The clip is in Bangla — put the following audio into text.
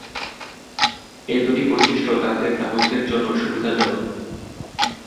এই দুটি বৈশিষ্ট্য তাদের গ্রাহকদের জন্য সুবিধাজনক।